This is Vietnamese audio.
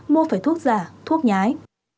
mua phải thuốc già thuốc nhái